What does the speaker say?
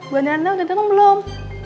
bu adriana udah dateng belum